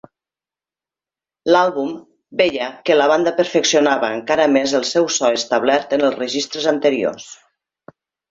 L'àlbum veia que la banda perfeccionava encara més el seu so establert en els registres anteriors.